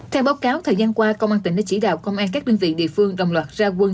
theo báo cáo thời gian qua công an tỉnh đã chỉ đạo công an các đơn vị địa phương đồng loạt ra quân